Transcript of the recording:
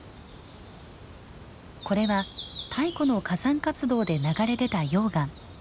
これは太古の火山活動で流れ出た溶岩。